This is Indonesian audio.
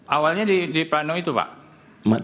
awalnya di plano itu pak